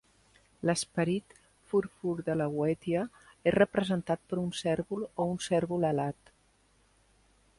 L'esperit Furfur de La Goetia és representat per un cérvol o un cérvol alat.